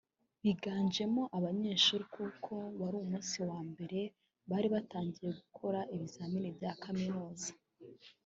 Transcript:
biganjemo abanyeshuri kuko ngo wari umunsi wa mbere bari batangiye gukora ibizami bya Kaminuza